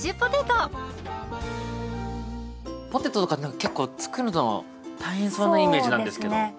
ポテトとかなんか結構作るの大変そうなイメージなんですけど。